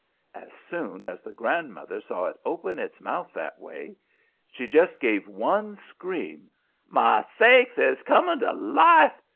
"As soon as the grandmother saw it open its mouth that way she just gave one scream, 'My sakes! It's comin' to life!'